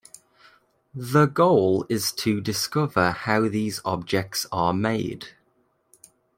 The goal is to discover how these objects are made.